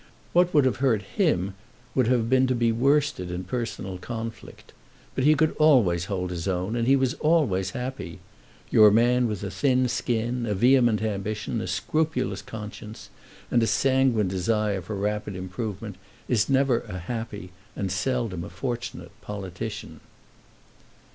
What would have hurt him would have been to be worsted in personal conflict. But he could always hold his own, and he was always happy. Your man with a thin skin, a vehement ambition, a scrupulous conscience, and a sanguine desire for rapid improvement, is never a happy, and seldom a fortunate politician."